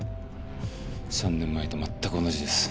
３年前と全く同じです。